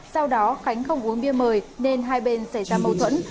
sau đó khánh không uống bia mời nên hai bên xảy ra mâu thuẫn